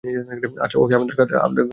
আচ্ছা, ও কি আদৌ আমার গার্লফ্রেন্ড থাকবে?